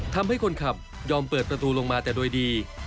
ทำให้คนขับยอมเปิดประตูลงมาแต่โดยดี